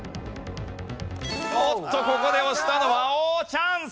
おっとここで押したのはチャンス！